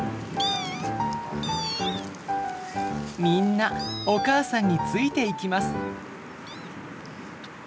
みんなお母さんについていきます。